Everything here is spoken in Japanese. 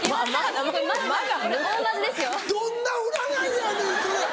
どんな占いやねんそれ。